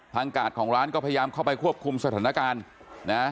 กาดของร้านก็พยายามเข้าไปควบคุมสถานการณ์นะ